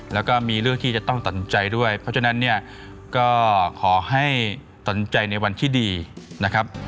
แล้วก็มีเรื่องที่จะต้องตัดสินใจด้วยเพราะฉะนั้นเนี่ยก็ขอให้ตัดสินใจในวันที่ดีนะครับ